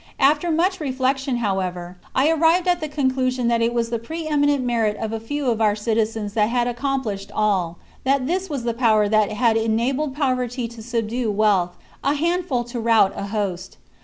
After much reflection, however, I arrived at the conclusion that it was the pre eminent merit of a few of our citizens that had accomplished all ; that this was the power that had enabled poverty LIV. THE CONSPIRACY OF CATILINE. 55 to subdue wealth, a handful to rout a host.